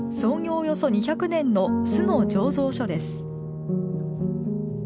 およそ２００年の酢の醸造所です。